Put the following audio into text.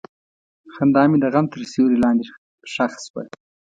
خندا مې د غم تر سیوري لاندې ښخ شوه.